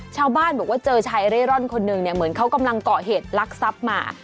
ชาวบ้านบอกว่าเจอชายเร่ร่อนคนหนึ่งเนี่ยเหมือนเขากำลังเกาะเหตุลักษัพมา